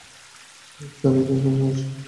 Sir, আপনি যেমন ভাবছেন তেমন কিছুই না।